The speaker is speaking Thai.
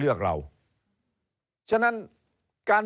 เริ่มตั้งแต่หาเสียงสมัครลง